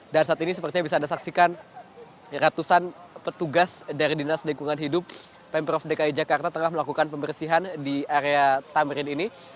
dan saat ini sepertinya bisa anda saksikan ratusan petugas dari dinas lingkungan hidup pemprov dki jakarta tengah melakukan pembersihan di area tamrin ini